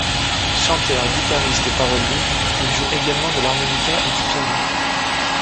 Chanteur, guitariste et parolier, il joue également de l'harmonica et du piano.